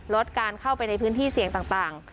ลดการเข้าไปในพื้นที่เสี่ยงต่าง